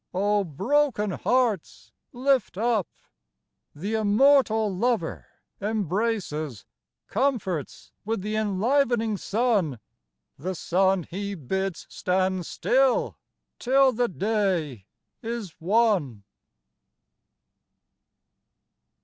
Oh, broken hearts, lift up ! The Immortal Lover Embraces, comforts with the enlivening sun, The sun He bids stand still till the day is won.